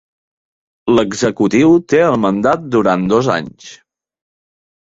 L'executiu té el mandat durant dos anys.